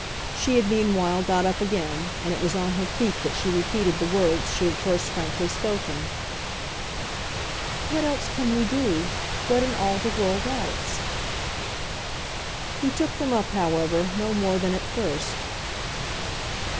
She had meanwhile got up again, and it was on her feet that she repeated the words she had first frankly spoken. "What else can we do, what in all the world else?" He took them up, however, no more than at first.